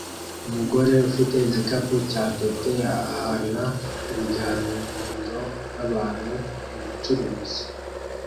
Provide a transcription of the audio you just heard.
Umugore ufite igikapu cya tote ahana ibiganiro nabantu mubucuruzi